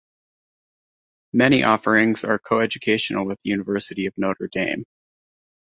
Many offerings are coeducational with the University of Notre Dame.